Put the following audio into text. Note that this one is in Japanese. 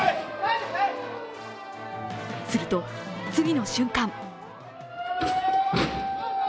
すると、次の瞬間。